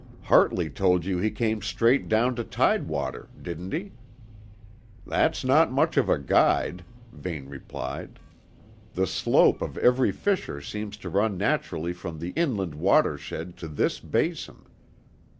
"Hartley told you he came straight down to tidewater, didn't he?" "That's not much of a guide," Vane replied. "The slope of every fissure seems to run naturally from the inland watershed to this basin.